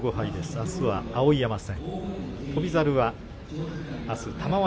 あすは碧山戦。